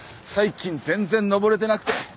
最近全然登れてなくて。